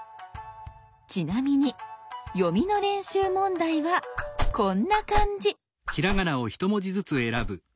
ちなみに読みの練習問題はこんな感じ。